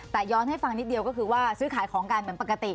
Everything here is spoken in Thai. แต่ย้อนให้ฟังนิดเดียวก็คือว่าซื้อขายของกันเหมือนปกติ